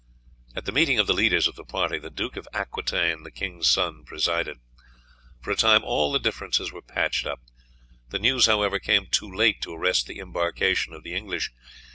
At the meeting of the leaders of the party, the Duke of Aquitaine, the king's son, presided. For a time all the differences were patched up. The news, however, came too late to arrest the embarkation of the English.